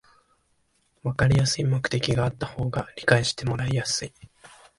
わかりやすい目的があった方が理解してもらいやすい